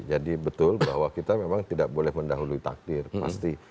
jadi betul bahwa kita memang tidak boleh mendahului takdir pasti